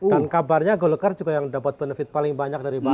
dan kabarnya golkar juga yang dapat benefit paling banyak dari bangsa